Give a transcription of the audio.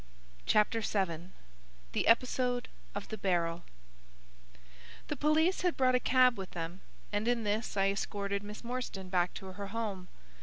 Chapter VII The Episode of the Barrel The police had brought a cab with them, and in this I escorted Miss Morstan back to her home.